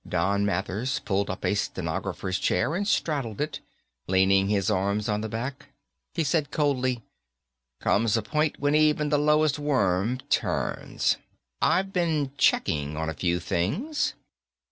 Don Mathers pulled up a stenographer's chair and straddled it, leaning his arms on the back. He said coldly, "Comes a point when even the lowest worm turns. I've been checking on a few things."